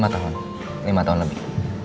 lima tahun lima tahun lebih